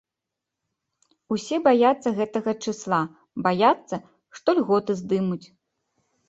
Усе баяцца гэтага чысла, баяцца, што льготы здымуць.